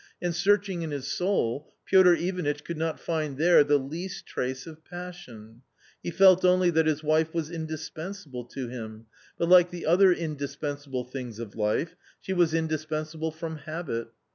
And, searching in his soul, Piotr Ivanitch could not find there the least trace of passion.. He felt only that his wife was indispensable •^ttr'him, but like the other indis pensable things of life, she was indispensable from habit.